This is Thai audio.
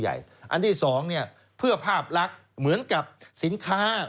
อันที่๒เพื่อภาพลักษณ์เหมือนกับสินค้า